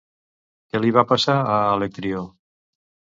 Què li va passar, a Alectrió?